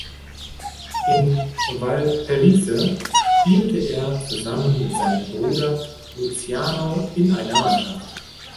In Valpellice spielte er zusammen mit seinem Bruder Luciano in einer Mannschaft.